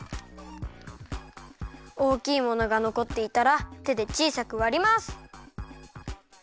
おおきいものがのこっていたらてでちいさくわります。